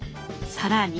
更に。